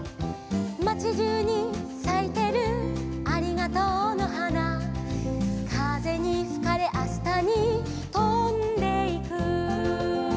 「まちじゅうにさいてるありがとうのはな」「かぜにふかれあしたにとんでいく」